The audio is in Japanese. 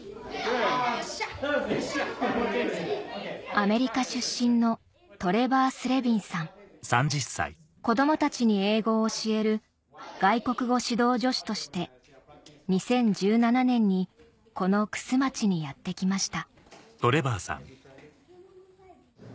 アメリカ出身の子供たちに英語を教える外国語指導助手として２０１７年にこの玖珠町にやって来ました